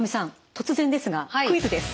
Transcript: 突然ですがクイズです。